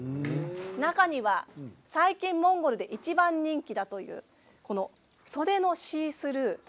中には最近モンゴルで一番人気だという袖がシースルー